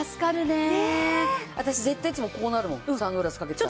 私絶対いつもこうなるもんサングラスかけてたら。